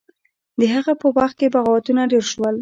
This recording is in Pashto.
د هغه په وخت کې بغاوتونه ډیر شول.